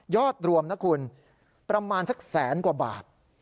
รวมนะคุณประมาณสักแสนกว่าบาท